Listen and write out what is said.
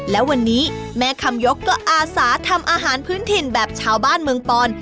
และวันนี้แม่คำยกก็อาสาทำอาหารพื้นถิ่นแบบชาวบ้านเมืองปอน